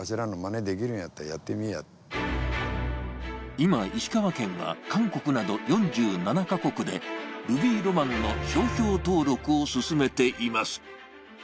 今、石川県は韓国など４７か国でルビーロマンの商標登録を進めています。